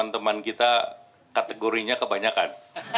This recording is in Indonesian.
karena teman teman kita kategorinya kebanyakan